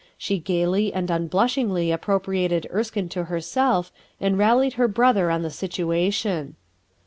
She gayly and n n blushingly appropriated Ersldne to herself and rallied her brother on the situation.